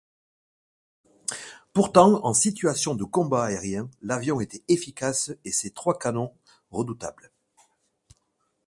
Pourtant, en situation de combat aérien, l'avion était efficace et ses trois canons redoutables.